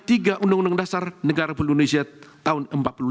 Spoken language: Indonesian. tiga undang undang dasar negara indonesia tahun seribu sembilan ratus empat puluh lima